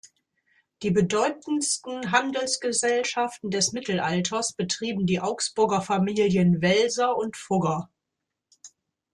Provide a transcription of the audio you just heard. Die bedeutendsten Handelsgesellschaften des Mittelalters betrieben die Augsburger Familien Welser und Fugger.